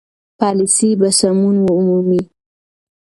پالیسي به سمون ومومي.